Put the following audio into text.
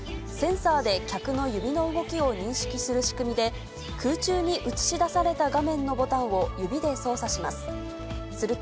センサーで客の指の動きを認識する仕組みで、空中に映し出された画面のボタンを指で操作します。